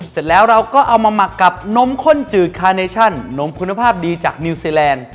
เสร็จแล้วเราก็เอามาหมักกับนมข้นจืดคาเนชั่นนมคุณภาพดีจากนิวซีแลนด์